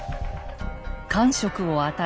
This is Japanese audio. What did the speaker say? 官職を与え